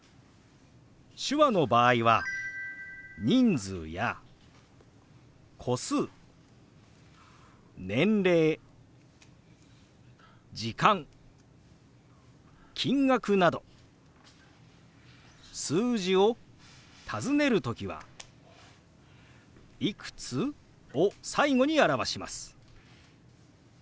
手話の場合は人数や個数年齢時間金額など数字を尋ねる時は「いくつ？」を最後に表します。